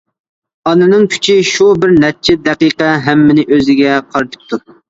ئانىنىڭ كۈچى شۇ بىر نەچچە دەقىقە ھەممىنى ئۆزىگە قارىتىپتۇ.